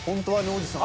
おじさん。